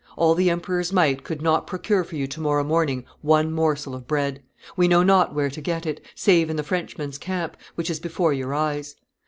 All the emperor's might could not procure for you to morrow morning one morsel of bread. We know not where to get it, save in the Frenchman's camp, which is before your eyes.